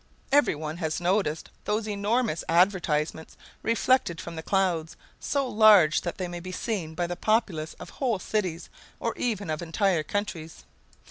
Every one has noticed those enormous advertisements reflected from the clouds, so large that they may be seen by the populations of whole cities or even of entire countries.